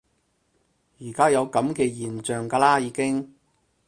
而家有噉嘅現象㗎啦已經